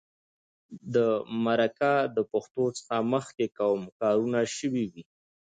د مرکه د پښتو څخه مخکې کوم کارونه شوي وي.